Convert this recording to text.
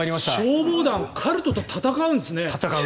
消防団カルトと闘うんですね。